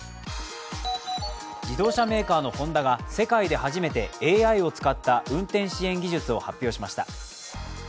自動車メーカーのホンダが世界で初めてＡＩを使った運転支援技術を発表しました。